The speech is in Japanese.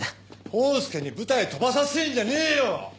コースケに舞台飛ばさせんじゃねえよ！